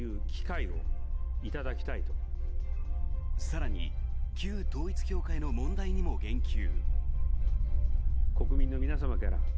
更に旧統一教会の問題にも言及。